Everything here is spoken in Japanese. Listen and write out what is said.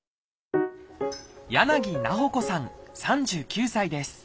柳菜穂子さん３９歳です。